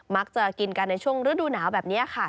มักจะกินกันในช่วงฤดูหนาวแบบนี้ค่ะ